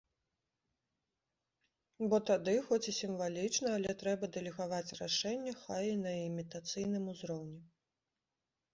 Бо тады, хоць і сімвалічна, але трэба дэлегаваць рашэнне хай і на імітацыйным узроўні.